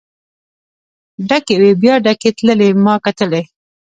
ډکې وې بیا ډکې تللې ما کتلی.